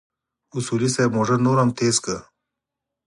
اصولي صیب موټر نور هم تېز کړ.